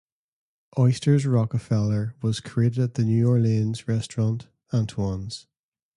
Oysters Rockefeller was created at the New Orleans restaurant Antoine's.